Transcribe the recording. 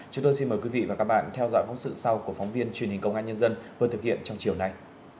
chúng tôi xin mời quý vị và các bạn theo dõi phóng sự sau của phóng viên truyền hình công an nhân dân vừa thực hiện trong chiều nay